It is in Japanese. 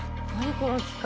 この機械。